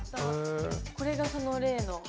これがその例の。